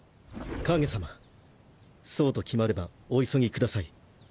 カゲ様そうと決まればお急ぎください。